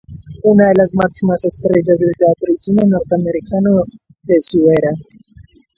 Una de las máximas estrellas del teatro y cine norteamericanos de su era.